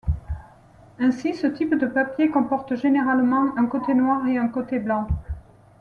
Ainsi ce type de papier comporte généralement un côté noir et un côté blanc.